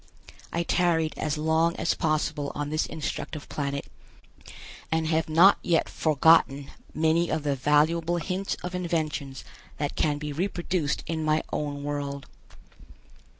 I tarried as long as possible on this instructive planet and have not yet forgotten many of the valuable hints of inventions that can be reproduced in my own world.